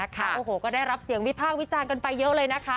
ก็ได้รับเสียงวิภาควิจารณ์กันไปเยอะเลย